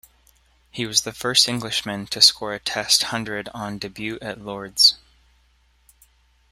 He was the first Englishman to score a Test hundred on debut at Lord's.